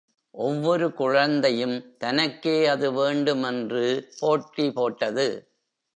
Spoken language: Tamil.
ஒவ்வொரு குழந்தையும் தனக்கே அது வேண்டும் என்று போட்டி போட்டது.